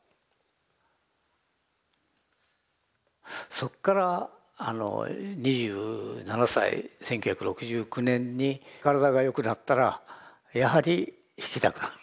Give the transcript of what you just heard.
そっから２７歳１９６９年に体が良くなったらやはり弾きたくなる。